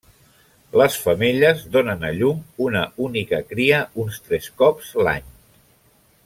Les femelles donen a llum una única cria uns tres cops l'any.